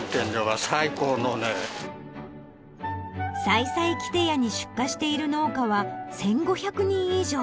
さいさいきて屋に出荷している農家は１５００人以上。